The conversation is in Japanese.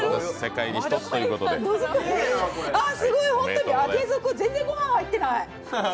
ああ、すごい本当に上げ底、全然ごはん入ってない。